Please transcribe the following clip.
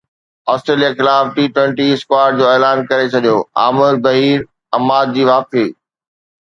Australia خلاف T twenty squad جو اعلان ڪري ڇڏيو عامر بهير عماد جي واپسي